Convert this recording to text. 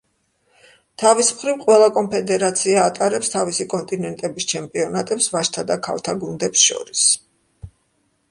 თავის მხრივ ყველა კონფედერაცია ატარებს თავისი კონტინენტების ჩემპიონატებს ვაჟთა და ქალთა გუნდებს შორის.